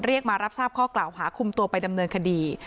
มารับทราบข้อกล่าวหาคุมตัวไปดำเนินคดี